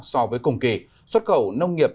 so với cùng kỳ xuất khẩu nông nghiệp